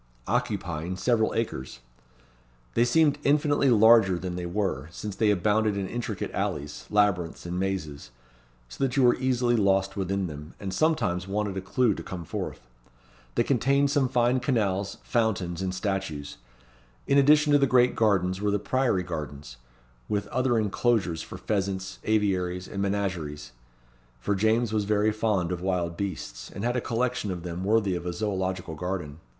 Occupying several acres. They seemed infinitely larger than they were, since they abounded in intricate alleys, labyrinths, and mazes; so that you were easily lost within them, and sometimes wanted a clue to come forth. They contained some fine canals, fountains, and statues. In addition to the great gardens were the priory gardens, with other inclosures for pheasants, aviaries, and menageries; for James was very fond of wild beasts, and had a collection of them worthy of a zoological garden.